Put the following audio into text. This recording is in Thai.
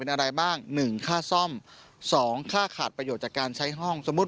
เป็นอะไรบ้างหนึ่งค่าซ่อมสองค่าขาดประโยชน์จากการใช้ห้องสมมุติ